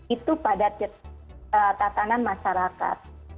itu pada tatanan masyarakat